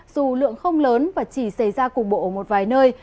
dù lượng không lớn và chỉ xảy ra cục bộ ở một vài nơi